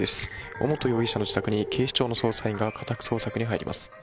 尾本容疑者の自宅に警視庁の捜査員が家宅捜索に入ります。